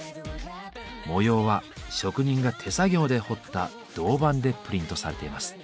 模様は職人が手作業で彫った銅版でプリントされています。